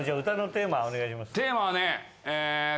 テーマはね。